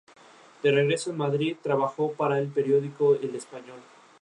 De regreso en Madrid, trabajó para el periódico "El Español".